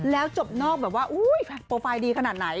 แล้วจบนอกแบบว่าโอ้ยแพทน์โปรไฟล์ดีขนาดไหน